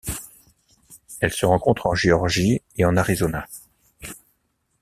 Elle se rencontre en Géorgie et en Arizona.